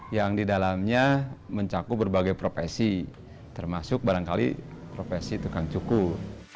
yang di dalamnya mencakup berbagai profesi termasuk barangkali profesi tukang cukur